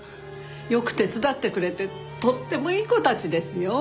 よく手伝ってくれてとってもいい子たちですよ。